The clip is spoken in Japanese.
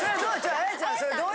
彩ちゃん。